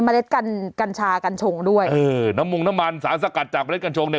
เล็ดกันกัญชากัญชงด้วยเออน้ำมงน้ำมันสารสกัดจากเล็ดกัญชงเนี่ย